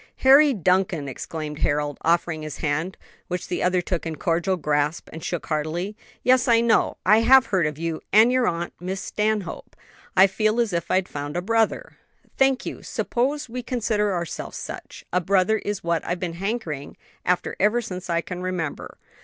"Harry Duncan!" exclaimed Harold, offering his hand, which the other took in a cordial grasp and shook heartily, "yes, I know; I have heard of you and your aunt, Miss Stanhope. I feel as if I'd found a brother." "Thank you; suppose we consider ourselves such; a brother is what I've been hankering after ever since I can remember."